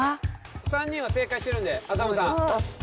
３人は正解してるんで浅野さん。